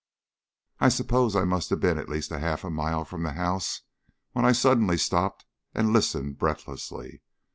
I suppose I must have been at least half a mile from the house when I suddenly stopped and listened breathlessly.